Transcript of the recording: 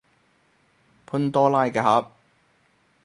潘多拉嘅盒